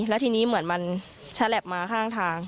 แล้วทีนี้เหมือนมันฉลับมาข้างทาง